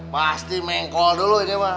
pasti mengkol dulu ini pak